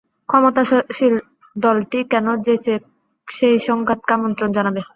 ক্ষমতাসীন দলটি কেন যেচে সেই সংঘাতকে আমন্ত্রণ জানাবে?